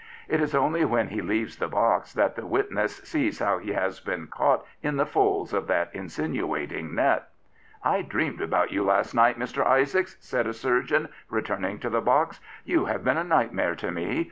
It is only when he leaves the box that the witness sees how he has been caught in the folds of that insinuating net. I dreamed about you last night, Mr. Isaacs,'* said a surgeon returning to the box. " You have been a nightmare to me.